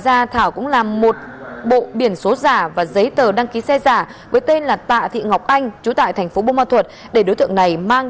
chú ngô quyền hải phòng